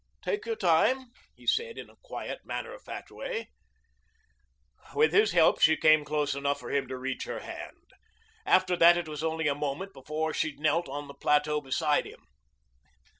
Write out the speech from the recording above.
"Take your time," he said in a quiet, matter of fact way. With his help she came close enough for him to reach her hand. After that it was only a moment before she knelt on the plateau beside him.